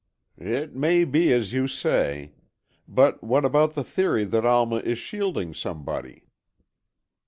"It may be as you say. But what about the theory that Alma is shielding somebody?"